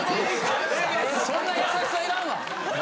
そんな優しさ要らんわ！